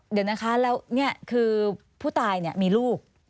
เดี๋ยวนะคะแล้วนี่คือผู้ตายมีลูก